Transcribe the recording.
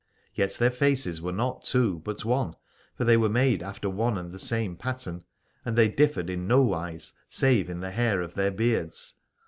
Yet their faces were not two but one, for they were made after one and the same pattern : and they differed in no wise save in the hair of their beards.